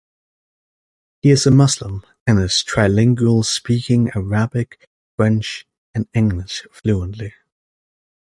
He is a Muslim, and is trilingual speaking Arabic, French and English fluently.